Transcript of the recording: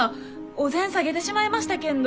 お膳下げてしまいましたけんど。